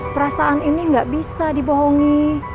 perasaan ini gak bisa dibohongi